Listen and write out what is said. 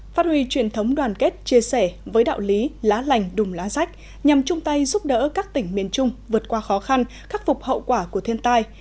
phát huy truyền thống đoàn kết chia sẻ với đạo lý lá lành đùm lá rách nhằm chung tay giúp đỡ các tỉnh miền trung vượt qua khó khăn khắc phục hậu quả của thiên tai